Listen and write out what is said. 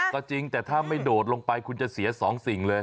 ก็จริงแต่ถ้าไม่โดดลงไปคุณจะเสีย๒สิ่งเลย